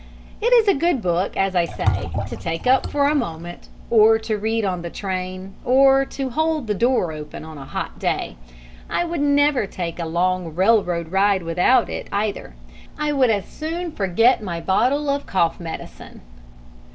It is a good book, as I say, to take up for a moment, or to read on the train, or to hold the door open on a hot day. I would never take a long railroad ride without it, eyether. I would as soon forget my bottle of cough medicine. Mr.